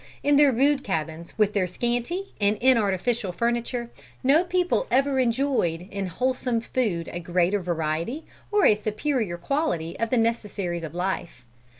In their rude cabins, with their scanty and inartificial furniture, no people ever enjoyed, in wholesome food a greater variety, or a superior quality of the necessaries of life."